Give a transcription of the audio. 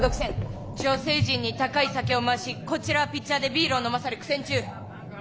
女性陣に高い酒を回しこちらはピッチャーでビールを飲まされ苦戦中。